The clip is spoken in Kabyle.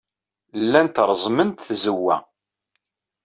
Llant reẓment tzewwa.